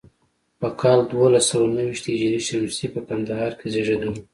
په کال دولس سوه نهو ویشت هجري شمسي په کندهار کې زیږېدلی.